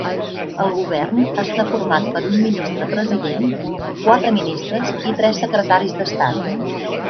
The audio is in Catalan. El govern està format per un Ministre-president, quatre ministres i tres secretaris d'estat.